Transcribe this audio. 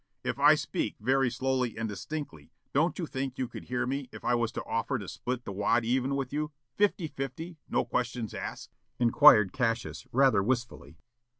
'" "If I speak very slowly and distinctly don't you think you could hear me if I was to offer to split the wad even with you, fifty fifty, no questions asked?" inquired Cassius, rather wistfully.